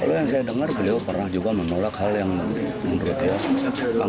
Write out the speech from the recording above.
kalau yang saya dengar beliau pernah juga menolak hal yang menurut dia